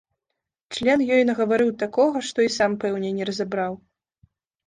Член ёй нагаварыў такога, што і сам, пэўне, не разабраў.